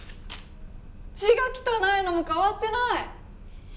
字が汚いのも変わってない！